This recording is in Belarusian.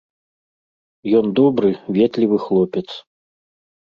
Ён добры, ветлівы хлопец.